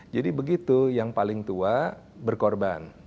jadi begitu yang paling tua berkorban